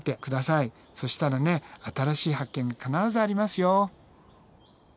そしたらね新しい発見必ずありますよ。